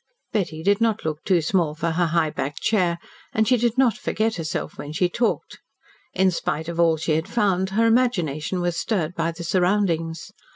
Betty did not look too small for her high backed chair, and she did not forget herself when she talked. In spite of all she had found, her imagination was stirred by the surroundings.